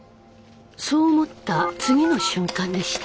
そう思った次の瞬間でした。